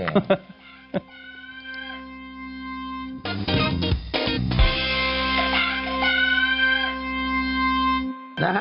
แล้วฮะ